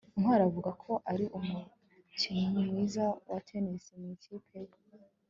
ntwali avuga ko ari umukinnyi mwiza wa tennis mu ikipe ye